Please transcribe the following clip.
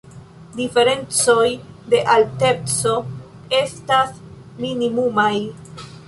Diferencoj de alteco estas minimumaj.